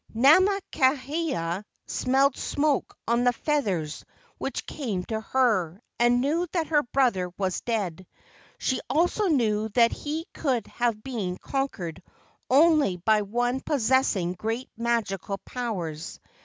Namakaeha smelled smoke on the feathers which came to her, and knew that her brother was dead. She also knew that he could have been conquered only by one possessing great magical powers.